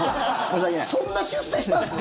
そんな出世したんですか？